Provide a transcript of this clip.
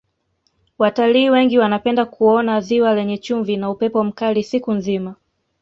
watalii wengi wanapenda kuona ziwa lenye chumvi na upepo mkali siku nzima